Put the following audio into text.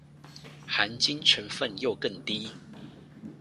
含金成分又更低